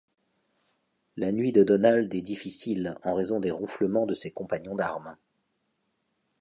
La nuit de Donald est difficile en raison des ronflements de ses compagnons d'armes...